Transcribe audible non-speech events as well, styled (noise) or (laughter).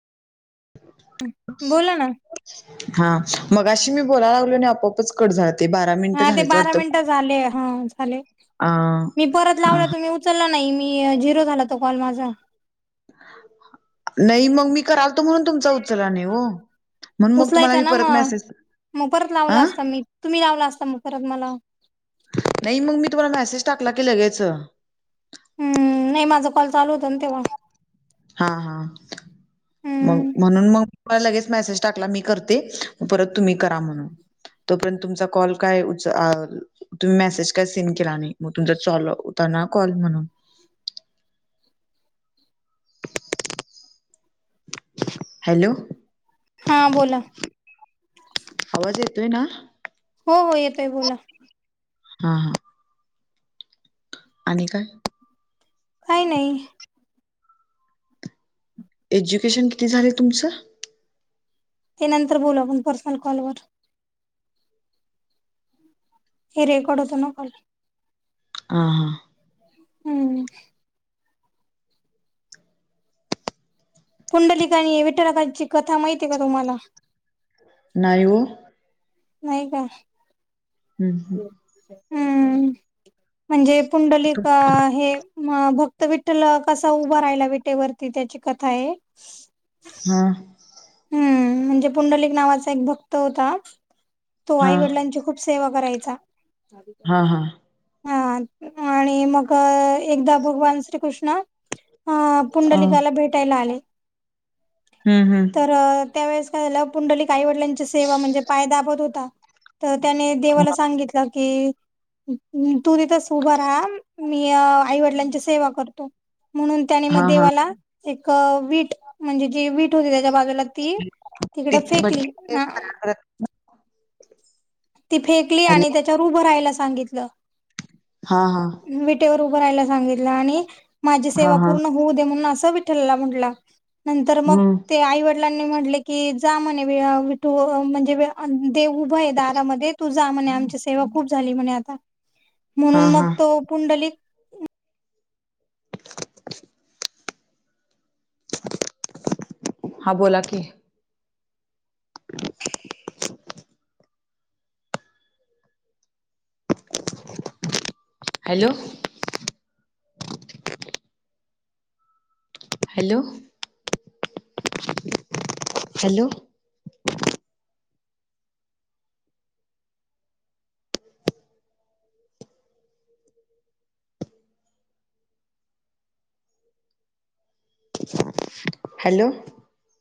बोला ना. हा मगाशी मी बोलाय लागलोनी आपोआप हा ते बारा मिनट झाले. ह झाले. अ, हा मी परत लावला हा तुमी उचलला नाही. मी झिरो झाला तो कॉल माझा. (inaudible) नाही मग मी करालतो. म्हणून तुम उचला नाही ओ. म्हणून मग तुम्हाला उचलायचा मी ना परत मग मसेज, मग परत लावला आ. असता मी तुम्ही लावला असता मग परत मला. नाही मग मी तुम्हाला मेसेज टाकला की लगेचं. हम्म नाही माझं हा हा मग हम्म म्हणून मग लगेच मेसेज टाकला मी करते. परत तुम्ही करा म्हणून. तोपर्यंत तुमचा कॉल काय उच अ तुम्ही मेसेज काय सीन केला नाही. मग तुमचा चालू होता ना कॉल म्हणून. हॅलो. हां बोला. आवाज येतोय ना? हो हो येतोय बोला. हा हा. आणि काय? काय नाही. एज्युकेशन किती झालय तुमचं? ते नंतर बोलू आपण पर्सनल कॉलवर. हे रेकॉड होतो ना कॉल. हा हा. हम्म. पुंडलिक आणि विठलकांची कथा माहीते का तुम्हाला? नाही ओ. नाही का? हं, हं. हम्म. म्हणजे पुंडलिक हे म भक्त विठल कसा उभा राहिला विटेवरती. त्याची कथाये. ह. म्हणजे पुंडलिक नावाचा एक भक्त होता. तो आई हां, वडिलांची खूप सेवा करायचा. हां, हां. हा आणि मग एकदा भगवान श्रीकृष्ण अ अ, पुंडलिकाला भेटायला आले हम् हम् तर त्यावेेळेस काय झालं पुंडलिक आई वडिलांची सेवा म्हणजे पाय दाबत होता तर त्याने देवाला सांगितलं की तू तिथंच उभं रा मी आईवडिलांची सेवा करतो म्हणून त्याने मग हां, हां. देवाला एक वीट म्हणजे जे वीट होते त्याच्या बा त्याला ती ती तिकडं भट्टी फेकली ना ती फेकली आणि हॅलो. त्याच्यावर उभं राहायला सांगितलं. हा हा विटेवर उभं राहायला सांगितलं आणि माझी हां, सेवा हां. पूर्ण होऊ दे म्हणून असं विठ्ठलला म्हंटला. नंतर मग हं. ते आईवड लांनी म्हटले की जा म्हणे वी विठू म्हणजे अ देव उभं आहे दारामध्ये तू जा म्हणे आमची सेवा खूप झाली म्हणे आता म्हणून हां, मग हां. तो पुंडलिक हा बोला की हॅलो. Hello hello (inaudible) hello.